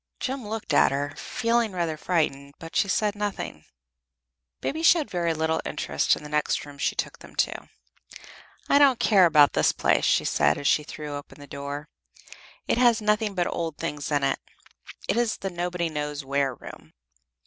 Jem looked at her, feeling rather frightened, but she said nothing. Baby showed very little interest in the next room she took them to. "I don't care about this place," she said, as she threw open the door. "It has nothing but old things in it. It is the Nobody knows where room."